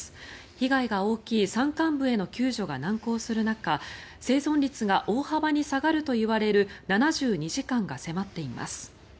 被害が大きい山間部への救助が難航する中生存率が大幅に下がるといわれる７２時間が迫っています。